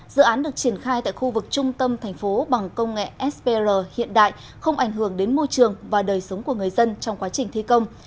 dự án được triển khai tại khu vực trung tâm thành phố bằng công nghệ spr hiện đại không ảnh hưởng đến môi trường và đời sống của người dân trong quá trình thi công